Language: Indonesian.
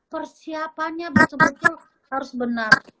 persiapannya betul betul harus benar